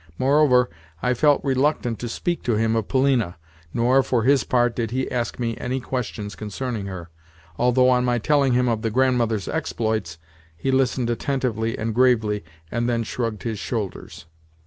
Moreover, I felt reluctant to speak to him of Polina; nor, for his part, did he ask me any questions concerning her, although, on my telling him of the Grandmother's exploits, he listened attentively and gravely, and then shrugged his shoulders.